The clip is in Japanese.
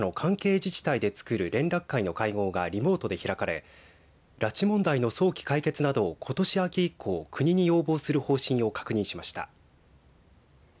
自治体でつくる連絡会の会合がリモートで開かれ拉致問題の早期解決などをことし秋以降、国に要望する方針を確認しました。